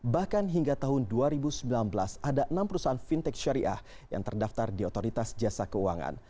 bahkan hingga tahun dua ribu sembilan belas ada enam perusahaan fintech syariah yang terdaftar di otoritas jasa keuangan